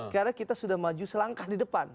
karena kita sudah maju selangkah di depan